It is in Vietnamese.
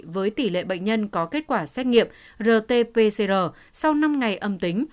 với tỷ lệ bệnh nhân có kết quả xét nghiệm rt pcr sau năm ngày âm tính